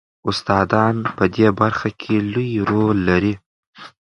استادان په دې برخه کې لوی رول لري.